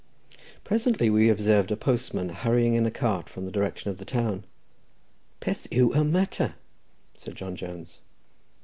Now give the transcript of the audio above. Presently we observed a postman hurrying in a cart from the direction of the town. "Peth yw y matter?" said John Jones.